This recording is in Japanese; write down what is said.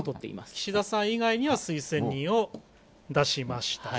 岸田さん以外には推薦人を出しましたよと。